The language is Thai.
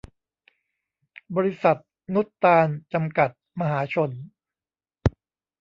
บริษัท นุตตาร จำกัด มหาชน